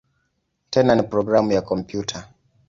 Tena ni programu ya kompyuta.